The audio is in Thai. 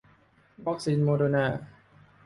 วัคซีนโมเดอร์นา